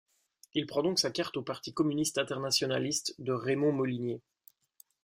Il prend donc sa carte au Parti communiste internationaliste de Raymond Molinier.